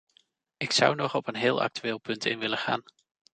Ik zou nog op een heel actueel punt in willen gaan.